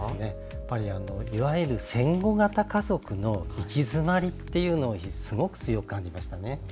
やっぱりいわゆる戦後型家族の行き詰まりっていうのをすごく強く感じましたね。